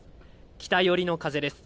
北寄りの風です。